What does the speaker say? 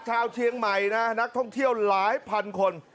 ชาวเชียงใหม่นะนักท่องเที่ยวหลายพันคน